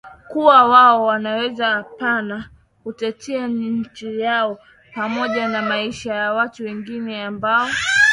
kuwa wao wanaweza apana kutetea nchi yao pamoja na maisha ya watu wengine ambao